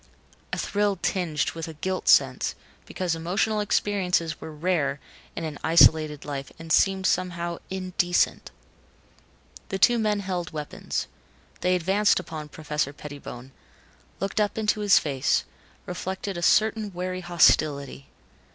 A thrill tinged with a guilt sense, because emotional experiences were rare in an isolated life and seemed somehow indecent. The two men held weapons. They advanced upon Professor Pettibone, looked up into his face, reflected a certain wary hostility.